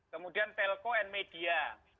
kemudian telco and media